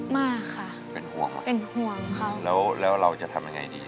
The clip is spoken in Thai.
มากค่ะเป็นห่วงค่ะเป็นห่วงค่ะแล้วแล้วเราจะทำยังไงดี